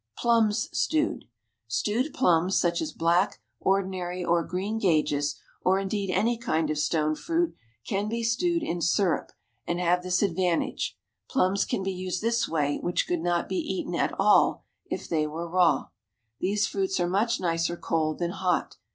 PLUMS, STEWED. Stewed plums, such as black, ordinary, or greengages, or indeed any kind of stone fruit, can be stewed in syrup, and have this advantage plums can be used this way which could not be eaten at all if they were raw. These fruits are much nicer cold than hot.